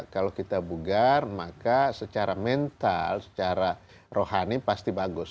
kalau kita bugar maka secara mental secara rohani pasti bagus